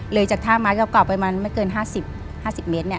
เลยจากท่าไม้เก่าไปมันไม่เกิน๕๐เมตร